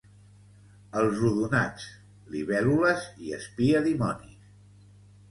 Els odonats: libèl·lules i espiadimonis